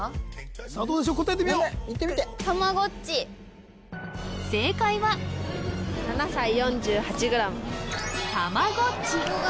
さあどうでしょう答えてみよう言ってみて正解は７歳４８ｇ